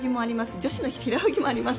女子の平泳ぎもあります。